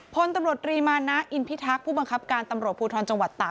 พลตำรวจรีมานะอินพิทักษ์ผู้บังคับการตำรวจภูทรจังหวัดตาก